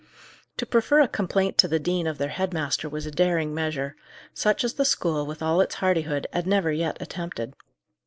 To prefer a complaint to the dean of their head master was a daring measure; such as the school, with all its hardihood, had never yet attempted.